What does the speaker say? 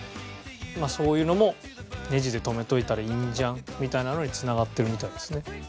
そういうのもネジで留めておいたらいいんじゃんみたいなのに繋がってるみたいですね。